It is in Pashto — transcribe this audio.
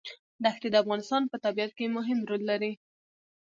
دښتې د افغانستان په طبیعت کې مهم رول لري.